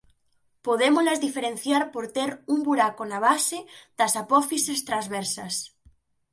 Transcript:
Podémolas diferenciar por ter un buraco na base das apófises transversas.